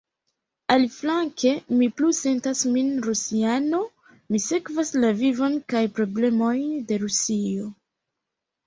Aliflanke, mi plu sentas min rusiano: mi sekvas la vivon kaj problemojn de Rusio.